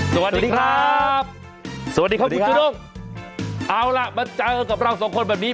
สวัสดีครับสวัสดีครับคุณจูด้งเอาล่ะมาเจอกับเราสองคนแบบนี้